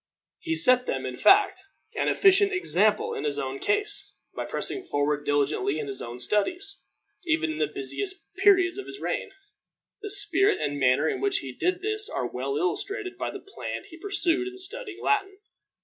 He set them, in fact, an efficient example in his own case, by pressing forward diligently in his own studies, even in the busiest periods of his reign. The spirit and manner in which he did this are well illustrated by the plan he pursued in studying Latin.